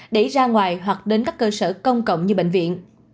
để ra ngoài hoặc đến các cơ sở công cộng như bệnh viện